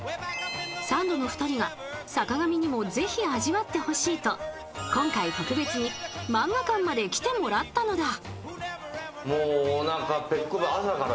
サンドの２人が坂上にもぜひ味わってほしいと今回、特別に萬画館まで来てもらったのだ。